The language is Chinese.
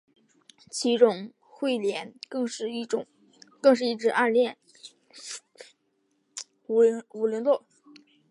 其中彗莲更是一直暗恋武零斗。